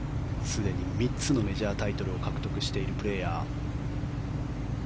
すでに３つのメジャータイトルを獲得しているプレーヤー。